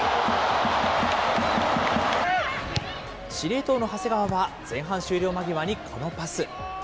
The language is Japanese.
司令塔の長谷川は、前半終了間際にこのパス。